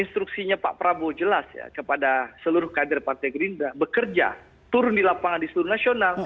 instruksinya pak prabowo jelas ya kepada seluruh kader partai gerindra bekerja turun di lapangan di seluruh nasional